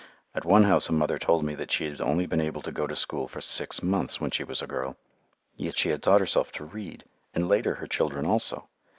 At one house a mother told me that she had only been able to go to school for six months when she was a girl, yet she had taught herself to read, and later her children also.